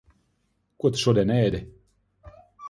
Ko tu šodien ēdi?